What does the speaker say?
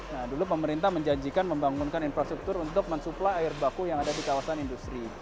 nah dulu pemerintah menjanjikan membangunkan infrastruktur untuk mensuplai air baku yang ada di kawasan industri